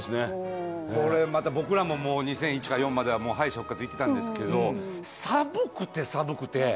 僕らも２００１から４までは敗者復活に行ってたんですけれども、寒くて、寒くて。